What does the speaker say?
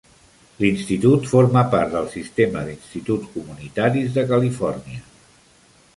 L'institut forma part del Sistema d'instituts comunitaris de Califòrnia.